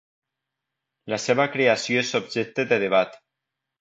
La seva creació és objecte de debat.